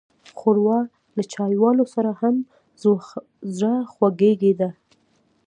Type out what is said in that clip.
ښوروا له چايوالو سره هم زړهخوږې ده.